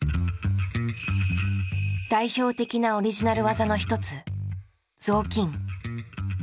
代表的なオリジナル技の一つ「雑巾」。